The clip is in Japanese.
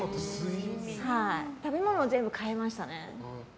食べ物を全部変えましたね。